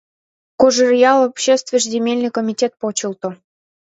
Кожеръял обществеш земельный комитет почылто.